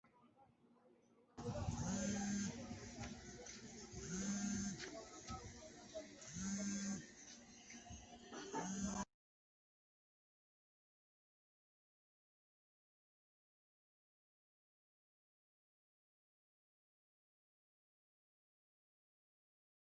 Watu wanakata miti hovyo na wanachafua vyanzo vya maji